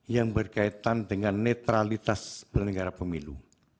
yang berkaitan dengan netralitas penyelenggara pemilu